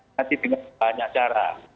nanti banyak cara